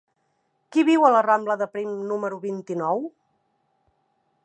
Qui viu a la rambla de Prim número vint-i-nou?